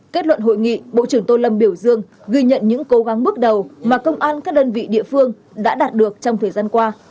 kết luận hội nghị bộ trưởng tô lâm biểu dương ghi nhận những cố gắng bước đầu mà công an các đơn vị địa phương đã đạt được trong thời gian qua